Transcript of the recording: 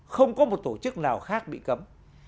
không có một tổ chức nào khác bị cấm